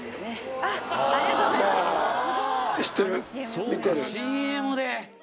そうかＣＭで！